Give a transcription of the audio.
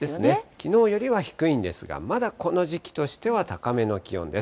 きのうよりは低いんですが、まだこの時期としては高めの気温です。